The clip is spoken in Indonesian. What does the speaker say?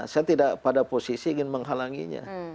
saya tidak pada posisi ingin menghalanginya